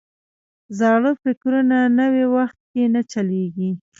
زاړه فکرونه نوي وخت کې نه چلیږي.